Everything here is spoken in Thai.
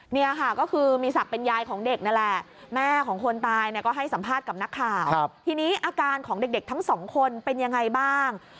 นี่ค่ะก็คือมีศักดิ์เป็นยายของเด็กนั่นแหละแม่ของคนตายเนี่ยก็ให้สัมภาษณ์กับนักข่าวทีนี้อาการของเด็กทั้งสองคนเป็นยังไงบ้าง